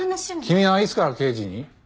君はいつから刑事に？